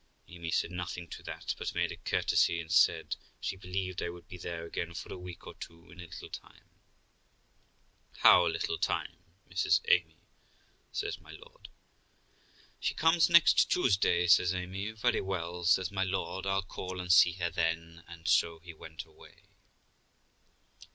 Amy said nothing to that, but made a courtesy, and said she believed I would be there again for a week or two in a little time. 'How little time, Mrs Amy?' says my lord. 'She comes next Tuesday', says Amy. 'Very well', says my lord; 'I'll call and see her then'; and so he went away.